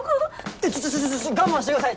えっちょちょっ我慢してください！